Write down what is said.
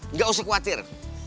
nggak usah khawatir